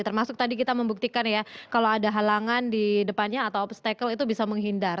termasuk tadi kita membuktikan ya kalau ada halangan di depannya atau obstacle itu bisa menghindar